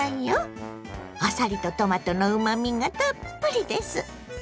あさりとトマトのうまみがたっぷりです。